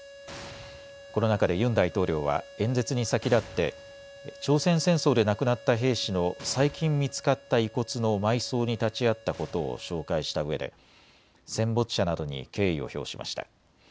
この中でユン大統領は演説に先立って朝鮮戦争で亡くなった兵士の最近見つかった遺骨の埋葬に立ち会ったことを紹介したうえで戦没者などに敬意を表しました。